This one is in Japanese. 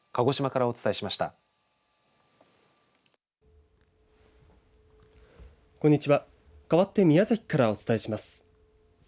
かわって宮崎からお伝えします。